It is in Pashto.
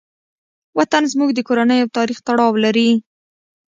وطن زموږ د کورنۍ او تاریخ تړاو لري.